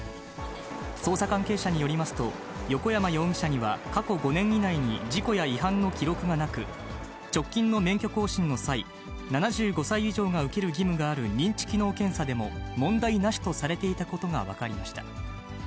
捜査関係者によりますと、横山容疑者には過去５年以内に事故や違反の記録がなく、直近の免許更新の際、７５歳以上が受ける義務がある認知機能検査でも、問題なしとされていたことが分かりました。